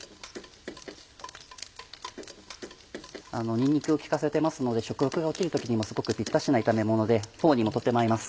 にんにくを利かせてますので食欲が落ちる時にもすごくピッタシな炒めものでフォーにもとても合います。